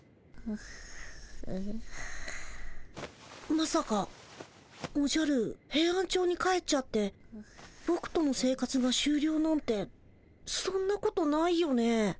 まさかおじゃるヘイアンチョウに帰っちゃってぼくとの生活がしゅうりょうなんてそんなことないよね。